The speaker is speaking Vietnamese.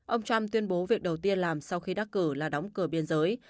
ông trump tuyên bố việc đầu tiên làm sau khi đắc cử là đóng cửa biên giới